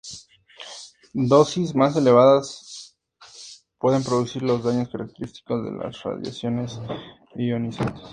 Dosis más elevadas pueden producir los daños característicos de las radiaciones ionizantes.